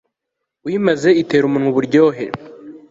Uyimaze itera umunwa uburyohe